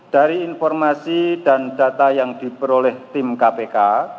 dari informasi dan data yang diperoleh tim kpk